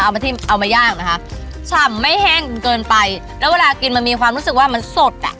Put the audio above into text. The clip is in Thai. เอามาทิ้มเอามาย่างนะคะฉ่ำไม่แห้งเกินไปแล้วเวลากินมันมีความรู้สึกว่ามันสดอ่ะ